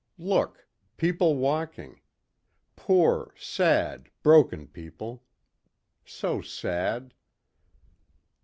Look people walking. Poor, sad, broken people. So sad....